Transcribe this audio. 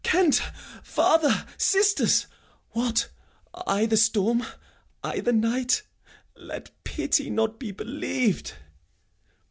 Kent! father! sisters! What, i' th' storm? i' th' night? Let pity not be believ'd!'